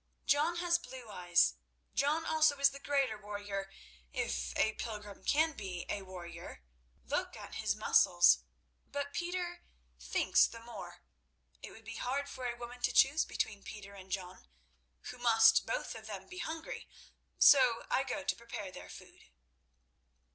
John has blue eyes. John also is the greater warrior, if a pilgrim can be a warrior—look at his muscles; but Peter thinks the more. It would be hard for a woman to choose between Peter and John, who must both of them be hungry, so I go to prepare their food."